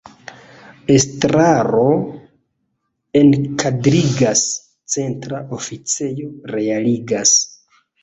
Estraro enkadrigas, centra oficejo realigas.